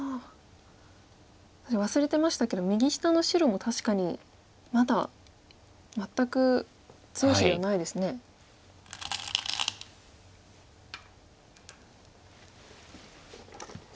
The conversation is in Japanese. ああ忘れてましたけど右下の白も確かにまだ全く強い石ではないですね。